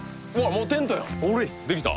もうテントやんできた？